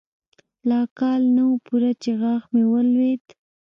لا کال نه و پوره چې غاښ مې ولوېد.